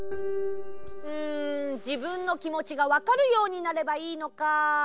うんじぶんのきもちがわかるようになればいいのか。